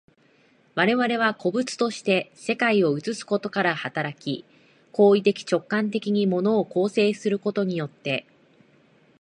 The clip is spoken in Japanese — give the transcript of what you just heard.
我々は個物として世界を映すことから働き、行為的直観的に物を構成することによって、